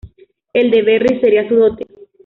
El de Berry sería su dote.